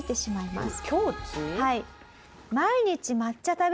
はい。